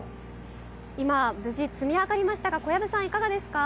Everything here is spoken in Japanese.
今、無事積み上がりましたが、小籔さん、いかがですか？